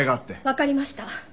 分かりました。